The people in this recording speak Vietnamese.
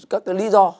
các cái lý do